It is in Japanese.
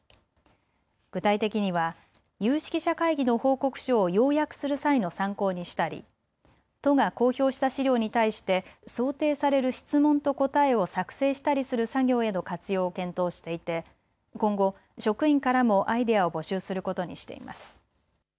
具体的には有識者会議の報告書を要約する際の参考にしたり都が公表した資料に対して想定される質問と答えを作成したりする作業への活用を検討していて今後、職員からもアイデアを募集することにしています。